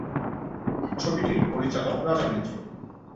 ছবিটির পরিচালক রাজা মিত্র।